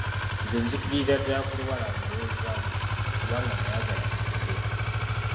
Ne nzikiririra ddala ku lubalama olw'ebuvanjuba, kubanga nayagala ngende.